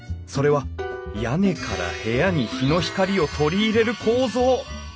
それは屋根から部屋に日の光を採り入れる構造。